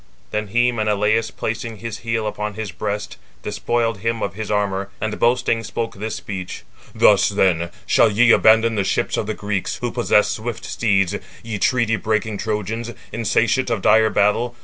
Then he (Menelaus) placing his heel upon his breast, despoiled him of his armour, and boasting, spoke [this] speech: "Thus, 438 then, shall ye abandon the ships of the Greeks, who possess swift steeds, ye treaty breaking Trojans, insatiate of dire battle.